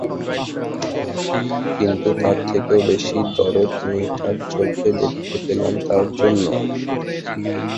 কিন্তু তার থেকেও বেশি দরদ মেয়েটার চোখে দেখতে পেলাম তার জন্য।